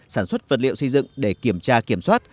sản xuất vật liệu xây dựng để kiểm tra kiểm soát